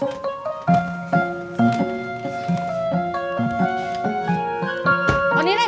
rasanya ada yang aneh